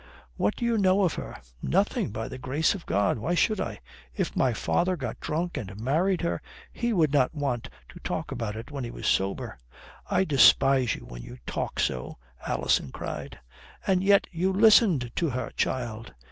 "What do you know of her?" "Nothing, by the grace of God. Why should I? If my father got drunk and married her, he would not want to talk about it when he was sober." "I despise you when you talk so," Alison cried. "And yet you listened to her, child."